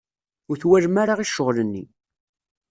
Ur twalem ara i ccɣel-nni.